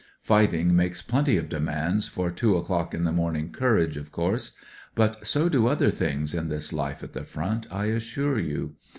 "Fighting makes plenty of demands for two o'clock in the moming courage, of course ; but so do other things in this life at the front, I assure you.